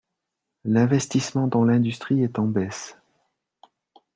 L’investissement dans l’industrie est en baisse.